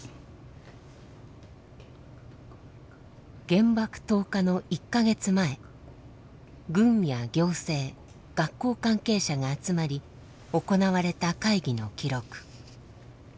原爆投下の１か月前軍や行政学校関係者が集まり行われた会議の記録。